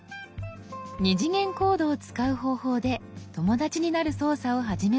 ２次元コードを使う方法で「友だち」になる操作を始めました。